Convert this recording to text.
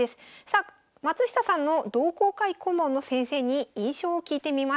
さあ松下さんの同好会顧問の先生に印象を聞いてみました。